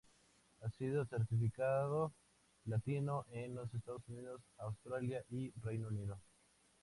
Ha sido certificado Platino en los Estados Unidos, Australia y el Reino Unido.